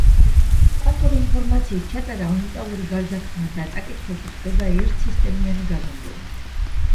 კვანტური ინფორმაციის ჩაწერა, უნიტარული გარდაქმნა და წაკითხვა კი ხდება ერთ სისტემიანი გაზომვებით.